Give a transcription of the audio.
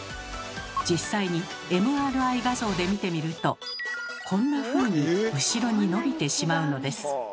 実際にＭＲＩ画像で見てみるとこんなふうに後ろにのびてしまうのです。